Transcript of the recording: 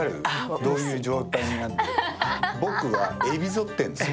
どういう状態になってるか。